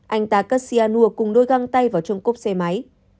anh ta cất cyanur cùng đôi găng tay vào trong cốc xe máy